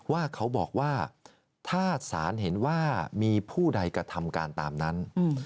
ว่าเขาบอกว่าถ้าศาลเห็นว่ามีผู้ใดกระทำการตามนั้น